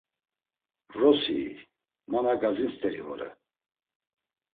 “Vrosi i! Ma na gazin st̆eri vore.”